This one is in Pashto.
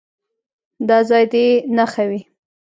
دا ځای دې نښه وي.